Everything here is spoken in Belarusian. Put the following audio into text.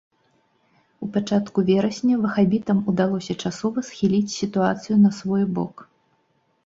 У пачатку верасня вахабітам удалося часова схіліць сітуацыю на свой бок.